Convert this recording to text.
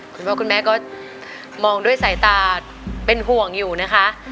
คุณพ่อคุณแม่ก็มองด้วยสายตาเป็นห่วงอยู่นะคะ